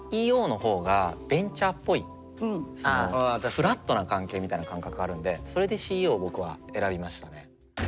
フラットな関係みたいな感覚があるんでそれでＣＥＯを僕は選びましたね。